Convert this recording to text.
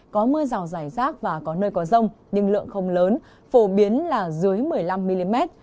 có mưa rào rải rác và có nơi có rông nhưng lượng không lớn phổ biến là dưới một mươi năm mm